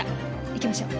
行きましょう。